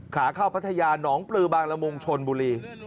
ขาเข้าพัทยาหนองปลือบางละมุงชนบุรี